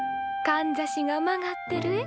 かんざしが曲がってるえ。